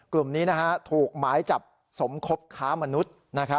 กลุ่มนี้ถูกหมายจับสมคบค้ามนุษย์